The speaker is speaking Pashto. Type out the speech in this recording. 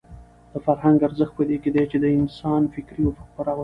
د فرهنګ ارزښت په دې کې دی چې دا د انسان فکري افق پراخوي.